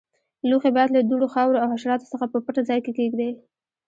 لوښي باید له دوړو، خاورو او حشراتو څخه په پټ ځای کې کېږدئ.